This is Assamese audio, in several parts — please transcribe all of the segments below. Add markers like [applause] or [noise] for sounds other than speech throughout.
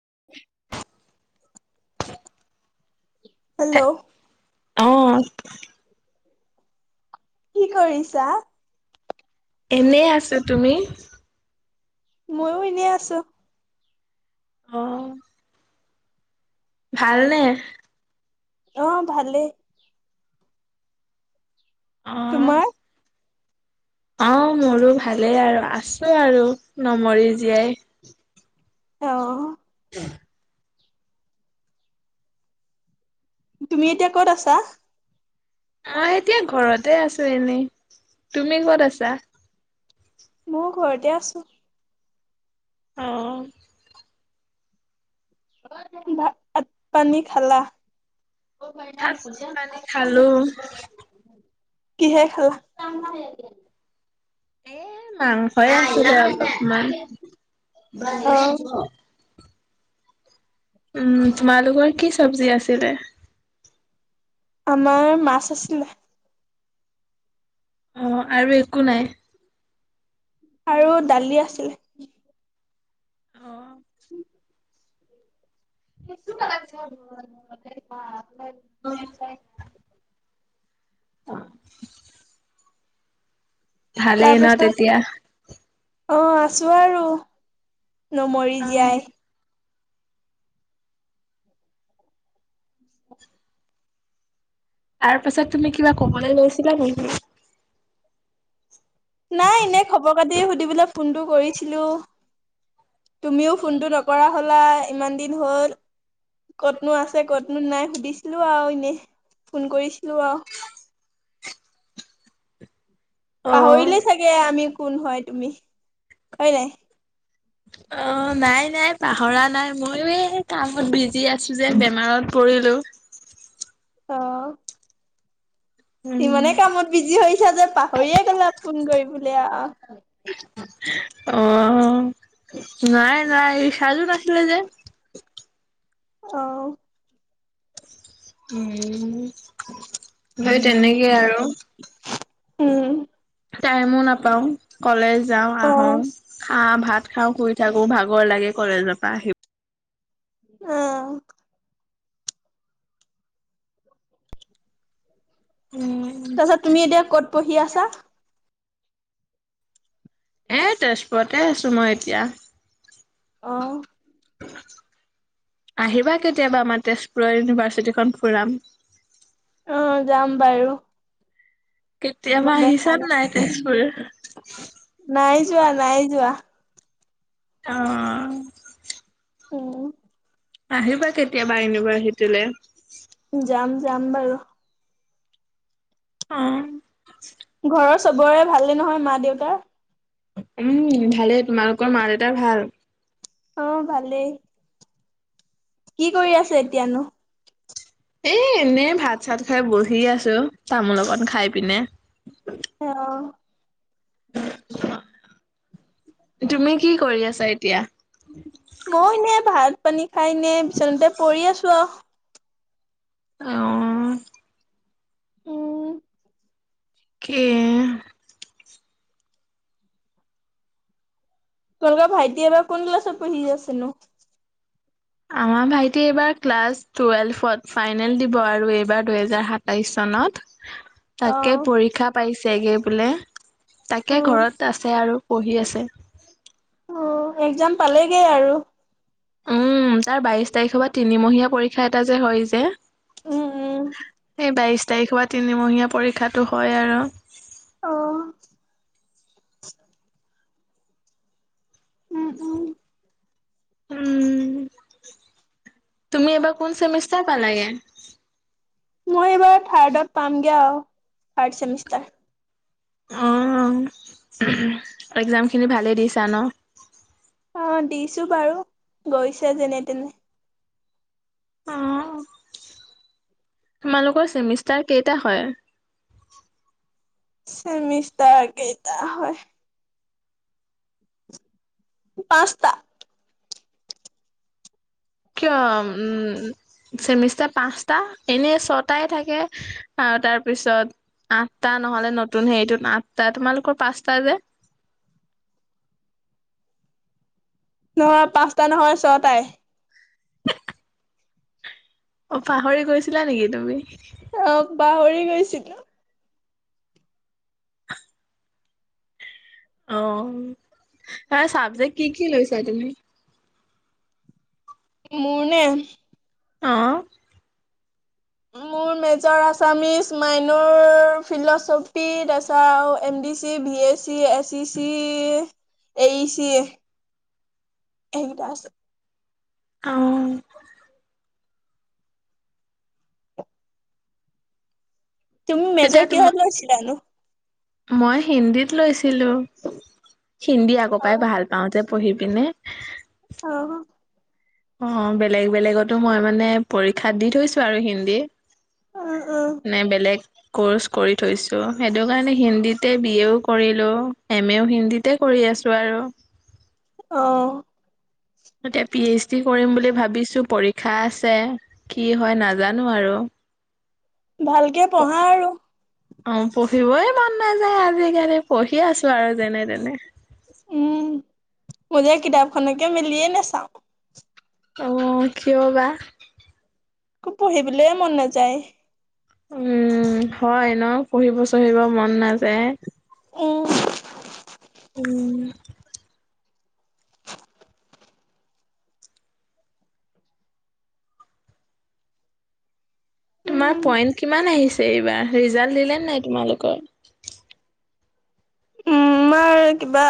[inaudible] হেল্ল'। অ' উ। কি কৰিছা। এনে আছো তুমি ময়ো এনেই আছো। অ ' ভালনেে? অ 'ভালেই অ তোমাৰ? অ ' মোৰো ভালেই আৰু আছো আৰু। নমৰি জীয়াই। অ' উ, তুমি এতিয়া ক'ত আছা। মই এতিয়া ঘৰতে আছো এনেই তুমি ক'ত আছা? ময়ো ঘৰতে আছো অ' ভাত পানী খালা? ভাত পানী খালো? কিহে খালা। এ মাংসই আছিলে অকণমান। অ উম তোমালোকৰ কি চব্জি আছিলে। আমাৰ মাছ আছিলে। অ' আৰু একো নাই। আৰু দালি আছিল। অ'। [inaudible] [inaudible] ভালেই ন তেতিয়া। অ'আছো আৰু। নমৰি অ জীয়াই। তাৰ পাছত তুমি কিবা ক'বলৈ লৈছিলা নেকি? নাই এনেই খবৰ খাটিয়েই সুধিবলৈ ফোনটো কৰিছিলোঁ। তুমিও ফোনটো নকৰা। হ'লা ইমান দিন হ'ল কতনো আছে কতনো নাই সুধিছিলো আৰু এনে ফোন কৰিছিলো আৰু। অ পাহৰিলেই চাগে আমি কোন হয়। তুমি হয় নাই। অ'নাই নাই পাহৰা নাই ময়ো এই কামত বিজি আছো যে বেমাৰত পৰিলো। অ'। উম, ইমানেই কামত বিজি হৈছা যে পাহৰিয়ে গ'লা ফোন কৰিবলৈ আৰু। অ' নাই নাই। চাৰ্জও নাছিলে যে। অ। উম। সেই তেনেকেই আৰু উম টাইমো নাপাওঁ কলেজ যাওঁ, অ আহো খা ভাত খাওঁ শুই টাকো ভাগৰ লাগে কলেজৰ পৰা আহি। উম। উম। তাৰপাছত তুমি এতিয়া ক'ত পঢ়ি আছা? এ তেজপুৰতে আছো মই এতিয়া। অ'। [inaudible] আহিবা কেতিয়াবা আমাৰ তেজপুৰৰ ইউনিভাৰ্চিটিখন ফুৰাম। অ' যাম বাৰু। মই কেতিয়াবা দেখা আহিছা নাই তেজপুৰ। [inaudible] নাই যোৱা নাই যোৱা। অ। অ। আহিবা কেতিয়াবা ইউনিভাৰ্চিটিলে। যাম যাম বাৰু। অ। ঘৰৰ চবৰে ভালে নহয় মা দেউতাৰ। উম ভালেই তোমালোকৰ মা দেউতা ভাল। অ' ভালেই। কি কৰি আছে এতিয়ানো? এ এনেই ভাত চাত খাই বহি আছো তামোল অকণ খাই পিনে। অ [inaudible] তুমি কি কৰি আছা? এতিয়া। মই এনে ভাত ভাত পানী খাই ইনে বিচনাতে পৰি আছো আৰু আহ। উম। কি? তোমালোকৰ ভাইটি এইবাৰ কোন ক্লাছত পঢ়ি আছে নো? আমাৰ ভাইটি এইবাৰ ক্লাছ টুৱেলভত ফাইনেল দিব আৰু এইবাৰ দুহেজাৰ সাতাইশ চনত। তাকে অ', পৰীক্ষা পাইছে। [unintelligible] তাকে অ', ঘৰত আছে আৰু। পঢ়ি আছে। অ' একজাম পালেগে আৰু। উম তাৰ বাইশ তাৰিখৰ পৰা তিনিমহীয়া পৰীক্ষা এটা যে হয় যে উম, উম, [inaudible] এই বাইছ তাৰিখ হোৱা তিনিমহীয়া পৰীক্ষাটো হয় আৰু। অ'। উম, উম, উম। তুমি এবাৰ কোন চেমিষ্টাৰ? চ পালাগে মই এইবাৰ থাৰ্ডত পামগে আৰু থাৰ্ড চেমিষ্টাৰ। অ এক্জাম খিনি ভালেই দিছা ন অ দিছো বাৰু গৈছো যেনে তেনে আহ তোমালোকৰ চেমিষ্টাৰ কেইটা হয় চমিছ তাৰ আকেটা হয় পাাস্তা কিয় উম চমিছা পাঁচ আটা এনে ছটাই থাকে আহ তাৰপিছত আঠটা নহলে নতুন হেৰিটোত আঠটা তোমালোকৰ পাঁচটা যে নহয় পাঁচটা নহয় ছয়টাই অঁ পাহৰি গৈছিলা নেকি তুমি। অঁ পাহ ৰি গৈছিলো। অঁ, তাৰ চাবজেক্ট কি- কি লৈছা তুমি। মোৰনে? অঁ মোৰ মেজৰ আছামিছ, মাইনৰ ফিল'চফি তাৰপাছত M D C, B A C S E C, A E C, এইকেইটা আছে। অঁ তুমি তেতিয়া মেজৰ তোমা কিহত লৈছিলা নো? মই হিন্দীত লৈছিলো। হিন্দী আগৰ অ পৰাই ভাল পাওঁ যে পঢ়ি পিনে। অঁ অ' বেলেগ বেলেগতো মই মানে পৰীক্ষা দি থৈছো আৰু হিন্দী। উম নে বেলেগ ক'ৰ্চ কৰি থৈছোঁ, সেইটো কাৰণে হিন্দীতে বি এও কৰিলোঁ এম এও হিন্দীতে কৰি আছো আৰু। অঁ এতিয়া পি এইচ ডি কৰিম বুলি ভাবিছো পৰীক্ষা আছে, কি হয় নাজানো আৰু। ভালকে পঢ়া আৰু অঁ, পঢ়িবই মন নাযায় আজিকালি। পঢ়ি আছো আৰু যেনে তেনে। উম মই যে কিতাপখনকে মেলিয়ে নাচাওঁ। অঁ, কিয় বা। একো পঢ়িবলৈ মন নাযায়। উম, হয় ন পঢ়িব চঢ়িব মন নাযায়। অ' উম তোমাৰ উম পইণ্ট কিমান আহিছে এইবাৰ ৰিজাল্ট দিলে নাই তোমালোকৰ। উম আমাৰ কিবা,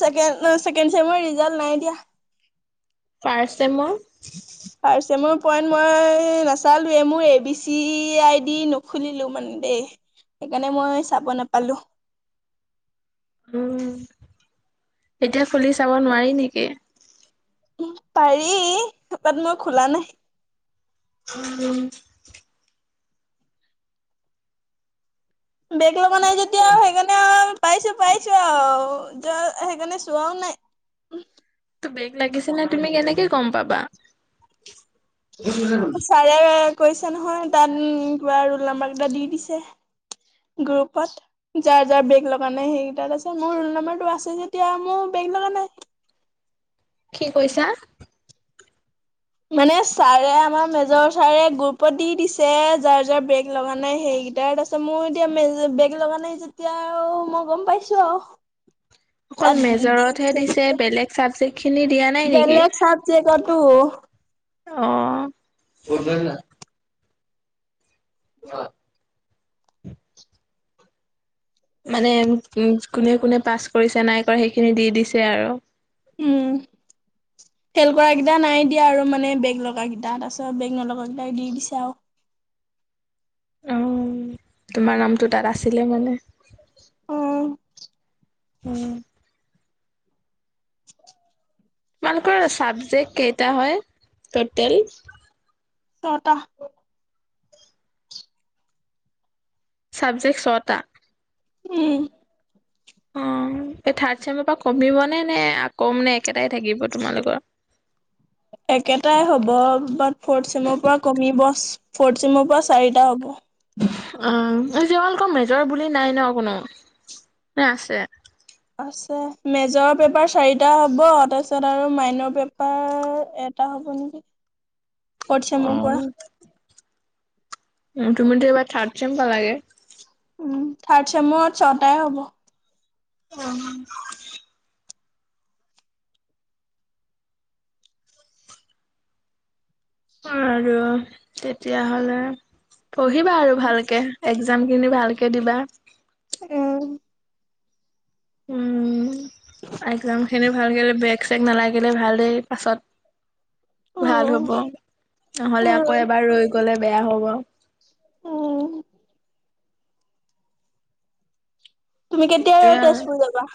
চেকেণ্ড-চেকেণ্ড চেমৰ ৰিজাল্ট নাই দিয়া। ফাৰ্ষ্ট ছেমৰ ফাৰ্ষ্ট ছেমৰ পইণ্ট মই নাচালোঁ এ, মোৰ A B C I D নোখুলিলো মানে দেই, সেইকাৰণে মই চাব নাপালোঁ। উম, এতিয়া খুলি চাব নোৱাৰি নেকি। উম, পাৰি [unintelligible] মই খোলা নাই। উম বেক লগা নাই যেতিয়া সেইকাৰণে আৰু পাইছো-পাইছো আৰু। যোৱা সেইকাৰণে চোৱাও নাই। টো বেক লাগিছে নে তুমি কেনেকে গম পাবা। চাৰে কৈছে নহয় তাত কিবা ৰোল নাম্বাৰ কেইটা দি দিছে গ্ৰুপত, যাৰ- যাৰ বেক লগা নাই সেইকেইটা দিছে, মোৰ ৰোল নাম্বাৰটো আছে যেতিয়া মোৰ বেক লগা নাই। কি কৈছা? মানে ছাৰে আমাৰ মেজৰ ছাৰে গ্ৰুপত দি দিছে, যাৰ যাৰ বেগ লগা নাই সেইকেইটাৰ তাৰপিছত মোৰ এতিয়া মে বেগ লগা নাই যেতিয়া আৰু মই গম পাইছো আৰু। অকল তাত দি মেজহে দিছে। বেলেগ চাবজেক খিনি দিয়া নাই নেকি? বেলেগ চাবজেক্টতো অ। [unintelligible] অ। মানে উম। কোনে কোনে পাছ কৰিছে নাই কৰা সেইখিনি দি দিছে আৰু। উম ফেল কৰাৰাকেইটা নাই দিয়া আৰু মানে বেগ লগ কেইটা, তাৰিছত বেগ নলগ কেইটাই দি দিছো আৰু। অ তোমাৰ নামটো তাত আছিলে মানে। উ। উম। [unintelligible] তোমালোকৰ চাবজেক্ট কেইটা হয় টোটেল? ছটা। ছাবজেক্ট ছটা। উম। অ এই থাৰ্ড চেমৰ পৰা কমিবনেে নে আকম নে একেটাই থাকিব তোমালোকৰ। একেটাই হ'ব বাট ফৰ্থ চিমৰ পৰা কমিব ফৰ্থ চিমৰ পৰা চাৰিটা হ'ব। অ এই তোমালোকৰ মেজৰ বুলি নাই ন কোনো? কোনো আছে। আছে। মেজৰ পেপাৰ চাৰি এটা হ'ব। তাৰপিছত আৰু মাইনৰ পেপাৰ এটা হ'ব নেকি? ফৰ্থ চেমৰ পৰা। উ তুমিতো এইবাৰ থাৰ্ চাইম পাল লাগে? উম থাৰ্ড চেমৰত ছটাই হ'ব। উ। আৰু তেতিয়াহলে পঢ়িবা আৰু ভালকে এ ক্সাম কিন্তু ভালকে দিবা। উম উম। একজাম খিনি ভালকে বেগ চেক নালাগিলে ভাল দেই পাছত ভাল উম হ'ব নহ'লে আকৌ এবাৰ ৰৈ গ'লে বেয়া হ'ব। অ। তুমি কেতিয়া সেইটোয়ে আৰু। তেজপুৰ যাবা?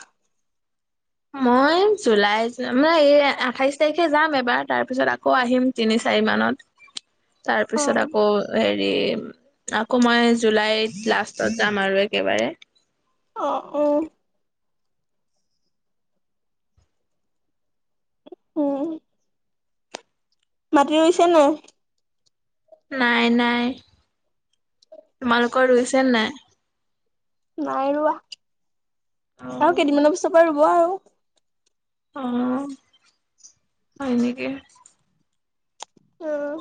মই জুলাই মানে এই আঠাইশ তাৰিখে যাম এবাৰ তাৰ পিছত আকৌ আহিম তিনি চাৰি মানত। অ তাৰপিছত আকৌ হেৰি। [unintelligible] আকৌ মই জুলাইত লাষ্টত যাম আৰু একেবাৰে। অ', অ'। উম। মাটি ৰুইছে নে নাই। নাই নাই। তোমালোকৰ ৰুইছে নে নাই? নাই ৰোৱা। অ আৰু কেইদিনমানৰ পিছত ৰুব আৰু। অ' হয় নেকি? উম।